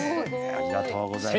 ありがとうございます。